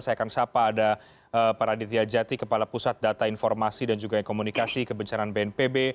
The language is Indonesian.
saya akan sapa ada para aditya jati kepala pusat data informasi dan juga komunikasi kebencanaan bnpb